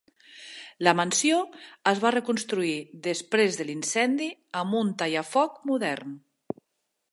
La mansió es va reconstruir després de l'incendi amb un tallafoc modern.